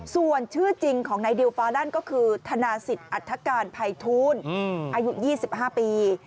ส่วนชื่อจริงของนายดิวฟาดันก็คือธนาศิษย์อัฐการภัยทูลอายุ๒๕ปี